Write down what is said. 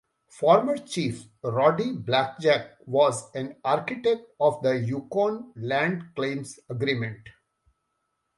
Former Chief Roddy Blackjack was an architect of the Yukon Land Claims agreement.